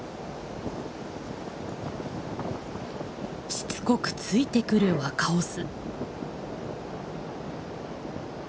しつこくついてくる若オス。